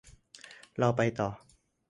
เราไปต่อ